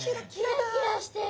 キラキラしてる！